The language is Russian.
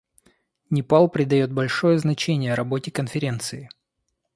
Непал придает большое значение работе Конференции.